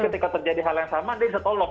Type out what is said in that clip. jadi ketika terjadi hal yang sama dia bisa tolong